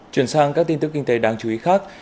chuyển sang các tin tức kinh tế đáng chú ý khác